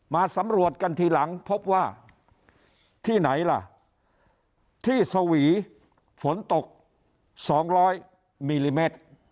มาสำรวจกันทีหลังพบว่าที่ไหนล่ะที่สวีฝนตก๒๐๐มิลลิเมตร